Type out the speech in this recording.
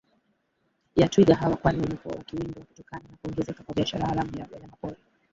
ya twiga hawa kwani wamekuwa wakiwindwa kutokana na kuongezeka kwa biashara haramu ya wanyamapori